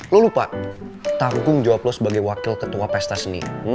lo lupa tanggung jawab lo sebagai wakil ketua pesta seni